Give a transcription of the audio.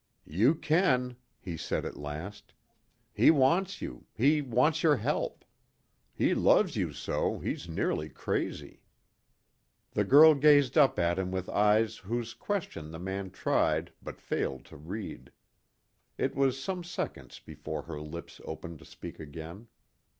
"You can," he said at last. "He wants you; he wants your help. He loves you so, he's nearly crazy." The girl gazed up at him with eyes whose question the man tried but failed to read. It was some seconds before her lips opened to speak again.